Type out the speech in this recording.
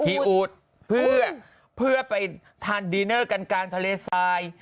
อูดเพื่อไปทานดีเนอร์กันกลางทะเลทราย